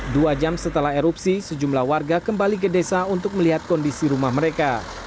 dua jam setelah erupsi sejumlah warga kembali ke desa untuk melihat kondisi rumah mereka